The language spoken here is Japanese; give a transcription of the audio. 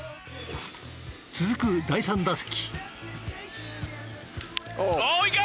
続く第３打席。